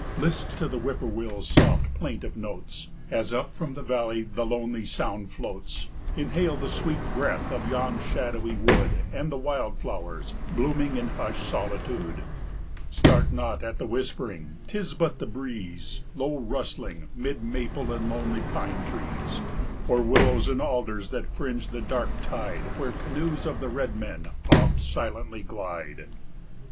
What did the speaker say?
list to the Whip poor will's soft plaintive notes, As up from the valley the lonely sound floats, Inhale the sweet breath of yon shadowy wood And the wild flowers blooming in hushed solitude. Start not at the whispering, 'tis but the breeze, Low rustling, 'mid maple and lonely pine trees, Or willows and alders that fringe the dark tide Where canoes of the red men oft silently glide.